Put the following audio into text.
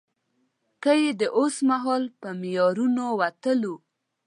که يې د اوسمهال په معیارونو وتلو.